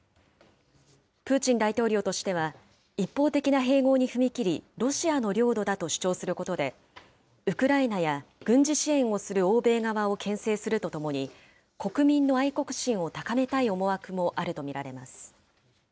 プーチン大統領としては、一方的な併合に踏み切り、ロシアの領土だと主張することで、ウクライナや軍事支援をする欧米側をけん制するとともに、国民の愛国心を高めたい思惑もあるとみられます。